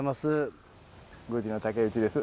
宮司の竹内です。